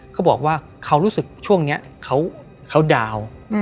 เขาบอกว่าเขารู้สึกช่วงนี้เขาดาวน์